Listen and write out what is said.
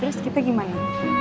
terus kita gimana